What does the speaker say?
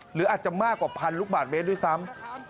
หรืออาจจะมากกว่าพันลูกบาทเมตรด้วยซ้ำ